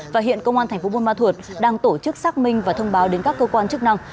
và hiện công an thành phố buôn ma thuột đang tổ chức xác minh và thông báo đến các cơ quan chức năng